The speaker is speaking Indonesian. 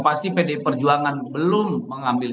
pasti pdi perjuangan belum mengambil